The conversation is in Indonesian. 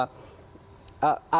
kita harus mencari penyelidikan